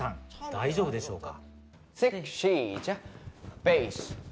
大丈夫でしょうか。